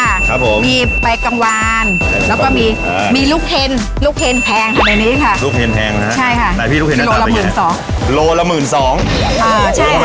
ค่ะครับผมมีปลายกัมวารแล้วก็มีอ่ามีลูกเท้นลูกเท้นแพงประมาณนี้ค่ะ